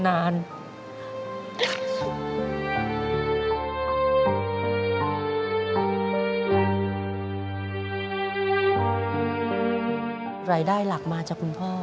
คุณพ่อใช่คุณพ่อสร้างรายได้หลักมาจากคุณพ่อ